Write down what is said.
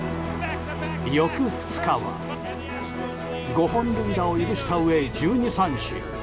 翌２日は５本塁打を許したうえ１２三振。